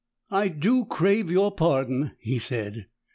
"_] "I do crave your pardon!" he said.